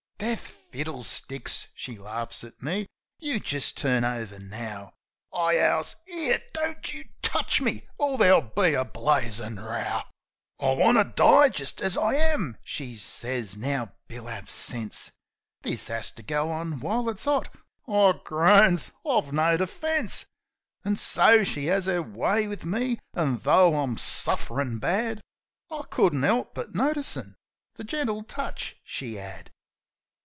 "Death, fiddlesticks," she laughs at me. "You jist turn over now." I 'owls, " 'Ere! Don't you touch me, or there'll be a blazin' row ! T9 Possum I want to die jist as I am," She sez, "Now, Bill, 'ave sense. This 'as to go on while it's 'ot." I groans, "I've no defence." An' so she 'as 'er way wiv me. An', tho' I'm sufPrin' bad, I couldn't 'elp but noticin' the gentle touch she 'ad.